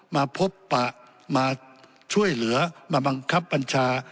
มาพบปะมาช่วยเหลือมาบังคับบัญชา